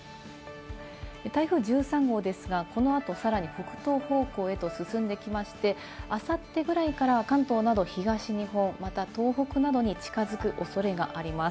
台風１３号ですが、この後さらに北東方向へと進んできまして、あさってぐらいから関東など東日本、また東北などに近づく恐れがあります。